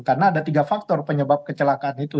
karena ada tiga faktor penyebab kecelakaan itu